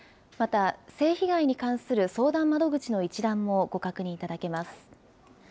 また、性被害に関する相談窓口の一覧もご確認いただけます。